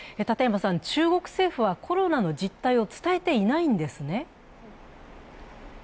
中国政府はコロナの実態を伝えていないんですね？